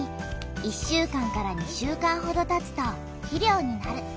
１週間２週間ほどたつと肥料になる。